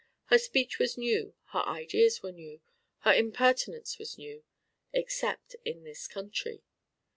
Her speech was new, her ideas were new, her impertinence was new except in this country.